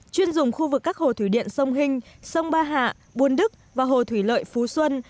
chuyên dùng khu vực các hồ thủy điện sông hình sông ba hạ buôn đức và hồ thủy lợi phú xuân